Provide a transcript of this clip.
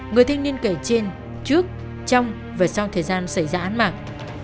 người thanh niên kể trên trước trong và sau thời gian xảy ra án mạng